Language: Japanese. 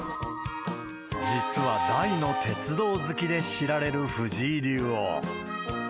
実は大の鉄道好きで知られる藤井竜王。